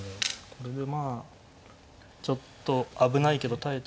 これでまあちょっと危ないけど耐えて。